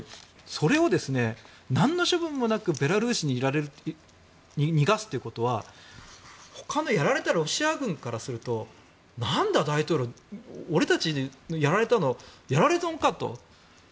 それを、何の処分もなくベラルーシに逃がすということは他のやられたロシア軍からすると何だ、大統領俺たちがやられたのはやられ損かと。